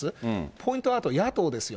ポイントはあと野党ですよ。